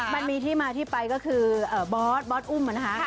มันมีที่มาที่ไปก็คือบอสอุ่ม